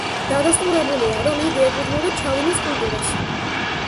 დადასტურებულია, რომ იგი ეკუთვნოდა ჩავინის კულტურას.